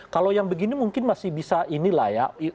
kalau yang begini mungkin masih bisa ini lah ya